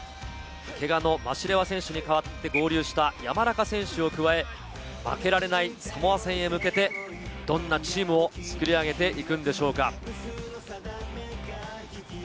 けがのマシレワ選手に代わって合流した山中選手を加え、負けられないサモア戦に向けて、どんなチームを作り上げていくんでしょうか？